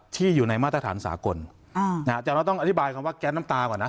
ที่อยู่ในมาตรฐานสากลแต่เราต้องอธิบายคำว่าแก๊สน้ำตาก่อนนะ